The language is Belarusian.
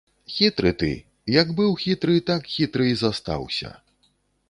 Хітры ты, як быў хітры, так хітры і застаўся.